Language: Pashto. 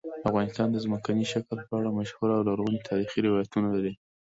افغانستان د ځمکني شکل په اړه مشهور او لرغوني تاریخی روایتونه لري.